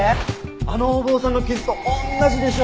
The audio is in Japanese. あのお坊さんの傷と同じでしょ？